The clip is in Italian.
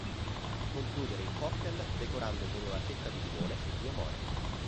Concludere il cocktail decorando con una fetta di limone e due more.